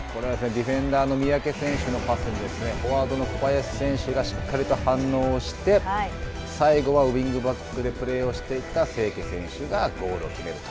ディフェンダーの三宅選手のパスにフォワードの小林選手がしっかりと反応をして最後はウイングバックでプレーをしていた清家選手がゴールを決めると。